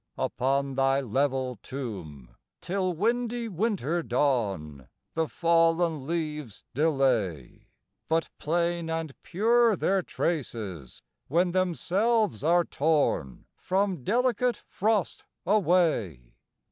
V Upon thy level tomb, till windy winter dawn, The fallen leaves delay; But plain and pure their trace is, when themselves are torn From delicate frost away.